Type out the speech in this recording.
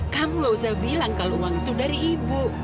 kamu gak usah bilang kalau uang itu dari ibu